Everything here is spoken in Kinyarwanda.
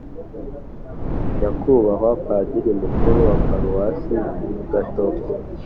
nyakubahwa padiri mukuru wa paruwasi gatovu,